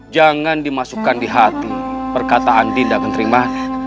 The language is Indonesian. jangan dimasukkan di hati perkataan dinda penterimaan